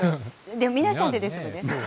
でも皆さんでですもんね。